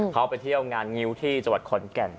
เขาไปเที่ยวงานงิ้วที่จังหวัดขอนแก่น